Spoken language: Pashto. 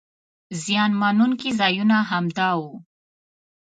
زیان مننونکي ځایونه همدا وو.